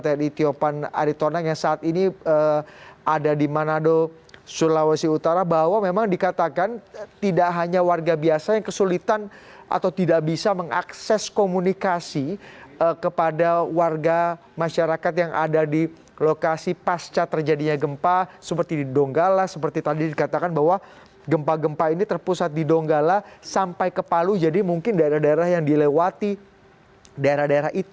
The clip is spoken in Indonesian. tadi pangdam tiga belas merdeka mayor jenderal tni tiopan aritonang yang saat ini ada di manado sulawesi utara bahwa memang dikatakan tidak hanya warga biasa yang kesulitan atau tidak bisa mengakses komunikasi kepada warga masyarakat yang ada di lokasi pasca terjadinya gempa seperti di donggala seperti tadi dikatakan bahwa gempa gempa ini terpusat di donggala sampai ke palu jadi mungkin daerah daerah yang dilewati daerah daerah yang dilewati daerah daerah yang dilewati daerah daerah yang dilewati daerah daerah yang dilewati daerah daerah yang dilewati